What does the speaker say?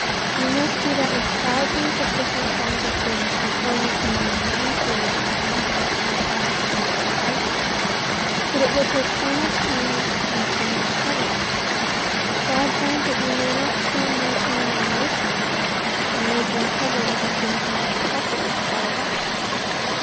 You must do that with thousands of different kinds of things before you can read one page of Madam How's Natural History Book rightly. But it will take so much time and so much trouble. God grant that you may not spend more time on worse matters, and take more trouble over things which will profit you far less.